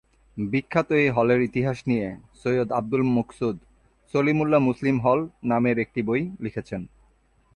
বিখ্যাত এই হলের ইতিহাস নিয়ে সৈয়দ আবুল মকসুদ "সলিমুল্লাহ মুসলিম হল" নামের একটি বই লিখেছেন।